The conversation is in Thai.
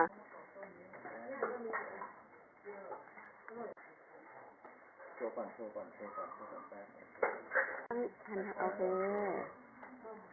โชว์ก่อนโชว์ก่อนโชว์ก่อนโชว์ก่อนแป๊บ